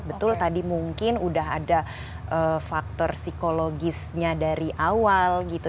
betul tadi mungkin udah ada faktor psikologisnya dari awal gitu